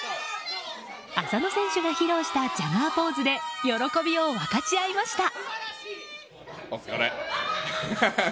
浅野選手が披露したジャガーポーズで喜びを分かち合いました。